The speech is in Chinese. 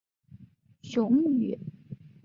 雄鱼在接近雌鱼时头部和鳍上会出现结节。